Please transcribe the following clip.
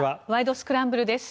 スクランブル」です。